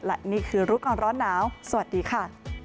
และนี่คือรู้ก่อนร้อนหนาวสวัสดีค่ะ